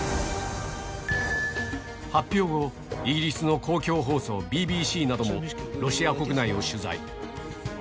発表後、イギリスの公共放送、ＢＢＣなども、ロシア国内を取材。